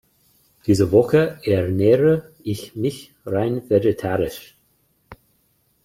Diese Woche ernähre ich mich rein vegetarisch.